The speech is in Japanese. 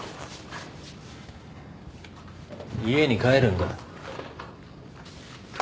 家に帰るんだ。